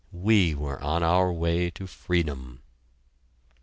We were on our way to freedom!